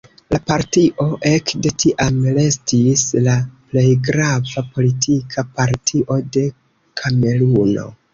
La partio ekde tiam restis la plej grava politika partio de Kameruno.